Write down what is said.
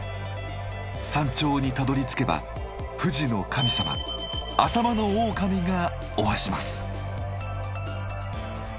山頂にたどりつけば富士の神様アサマノオオカミがおわします。